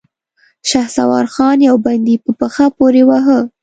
شهسوار خان يو بندي په پښه پورې واهه.